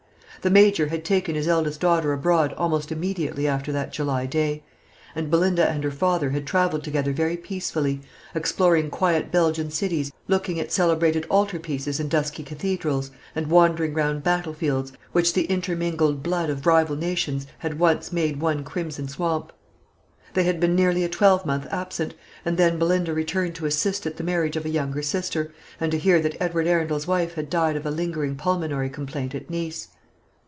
The Major had taken his eldest daughter abroad almost immediately after that July day; and Belinda and her father had travelled together very peacefully, exploring quiet Belgian cities, looking at celebrated altar pieces in dusky cathedrals, and wandering round battle fields, which the intermingled blood of rival nations had once made one crimson swamp. They had been nearly a twelvemonth absent, and then Belinda returned to assist at the marriage of a younger sister, and to hear that Edward Arundel's wife had died of a lingering pulmonary complaint at Nice.